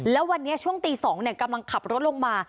แล้ววันนี้ช่วงตี๒กำลังขับรถลงมา